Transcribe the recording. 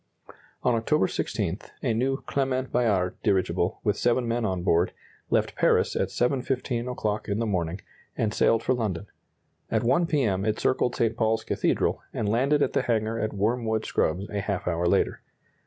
On October 16, a new Clement Bayard dirigible, with seven men on board, left Paris at 7.15 o'clock in the morning, and sailed for London. At 1 P. M. it circled St. Paul's Cathedral, and landed at the hangar at Wormwood Scrubbs a half hour later.